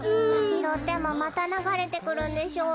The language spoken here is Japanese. ひろってもまたながれてくるんでしょ？